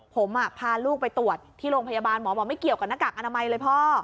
ผมพาลูกไปตรวจที่โรงพยาบาลหมอบอกไม่เกี่ยวกับหน้ากากอนามัยเลยพ่อ